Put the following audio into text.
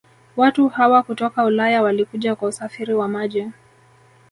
Watu hawa kutoka ulaya Walikuja kwa usafiri wa maji